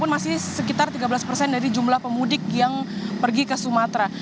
masih sekitar tiga belas persen dari jumlah pemudik yang pergi ke sumatera